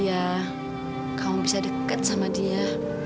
iya kamu bisa dekat sama dia